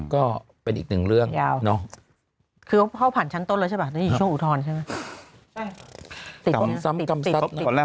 ก็เป็นอีกหนึ่งเรื่องเนอะยาว